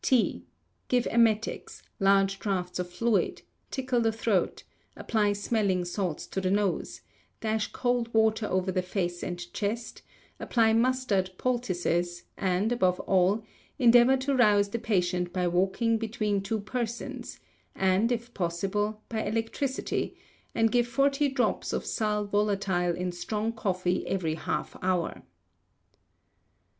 T. Give emetics, large draughts of fluids, tickle the throat, apply smelling salts to the nose, dash cold water over the face and chest, apply mustard poultices, and, above all, endeavour to rouse the patient by walking between two persons; and, if possible, by electricity; and give forty drops of sal volatile in strong coffee every half hour.